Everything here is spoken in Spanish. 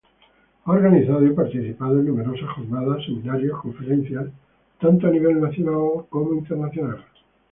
Ha organizado y participado en numerosas jornadas, seminarios, conferencias a nivel nacional e internacional.